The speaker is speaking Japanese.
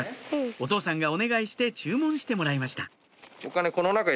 お父さんがお願いして注文してもらいました